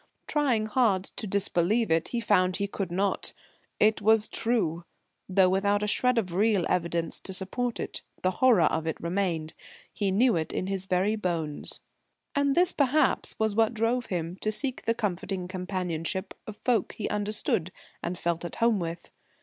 Trying hard to disbelieve it, he found he could not. It was true. Though without a shred of real evidence to support it, the horror of it remained. He knew it in his very bones. And this, perhaps, was what drove him to seek the comforting companionship of folk he understood and felt at home with.